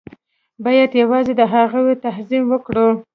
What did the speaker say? بايد يوازې د هغو تعظيم وکړو.